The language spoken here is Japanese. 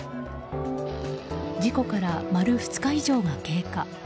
事故から丸２日以上が経過。